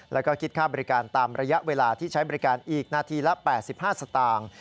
แล้วก็คิดค่าบริการตามระยะเวลาที่ใช้บริการอีกนาทีละ๘๕สตางค์